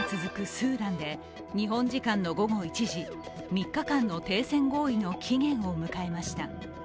スーダンで日本時間の午後１時３日間の停戦合意の期限を迎えました。